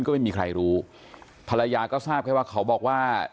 ก็ไม่มีใครรู้ภรรยาก็ทราบแค่ว่าเขาบอกว่า